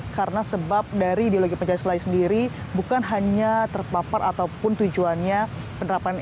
karena sebab dari ideologi pancasila sendiri bukan hanya terpapar ataupun tujuannya penerapan